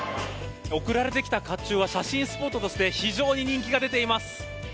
送られてきたかっちゅうは写真スポットとして非常に人気が出ています。